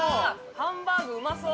ハンバーグうまそう！